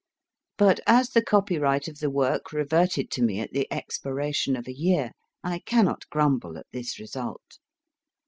But as the copyright of the work reverted to me at the expiration of a year, I cannot grumble at this result.